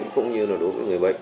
cũng như là đối với người bệnh